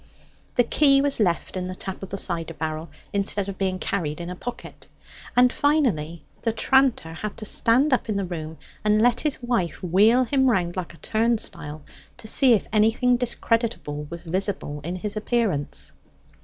The key was left in the tap of the cider barrel, instead of being carried in a pocket. And finally the tranter had to stand up in the room and let his wife wheel him round like a turnstile, to see if anything discreditable was visible in his appearance.